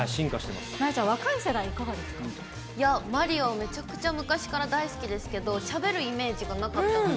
なえちゃん、若い世代、マリオ、めちゃくちゃ昔から大好きですけど、しゃべるイメージがなかったので。